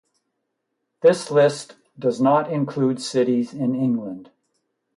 This list does not include cities in England.